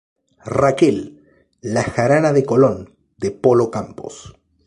Raquel"", ""La Jarana de Colón"" de Polo Campos.